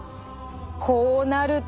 こうなると。